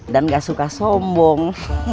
dan gak suka sombong